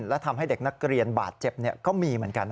และทำให้เด็กนักเรียนบาดเจ็บก็มีเหมือนกัน